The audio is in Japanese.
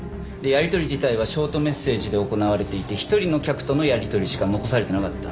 やり取り自体はショートメッセージで行われていて１人の客とのやり取りしか残されていなかった。